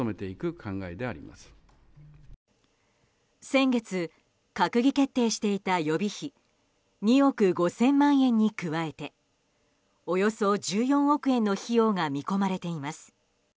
先月閣議決定していた予備費２億５０００万円に加えておよそ１４億円の費用が見込まれています。